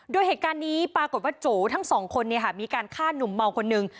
โดยเหตุการณ์นี้ปรากฏว่าโจทั้งสองคนมีการฆ่าหนุ่มเมาคนนึง